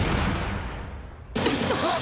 あっ！